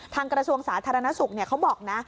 กระทรวงสาธารณสุขเขาบอกนะ